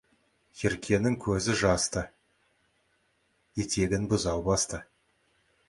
Еркенің көзі жасты, етегін бұзау басты.